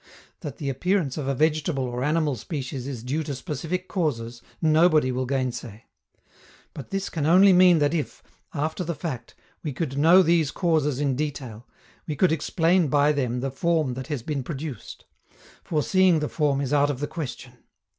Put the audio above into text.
That the appearance of a vegetable or animal species is due to specific causes, nobody will gainsay. But this can only mean that if, after the fact, we could know these causes in detail, we could explain by them the form that has been produced; foreseeing the form is out of the question.